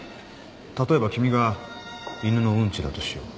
例えば君が犬のウンチだとしよう。